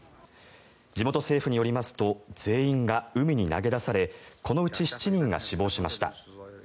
地元政府によりますと全員が海に投げ出されこのうち７人が死亡しました。